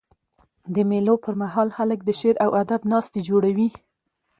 د مېلو پر مهال خلک د شعر او ادب ناستي جوړوي.